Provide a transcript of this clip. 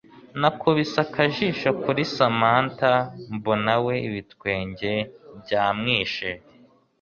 nakubise akajijo kuri Samantha mbona we ibitwenge byamwishe